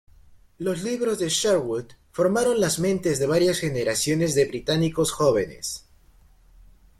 Los libros de Sherwood formaron las mentes de varias generaciones de británicos jóvenes.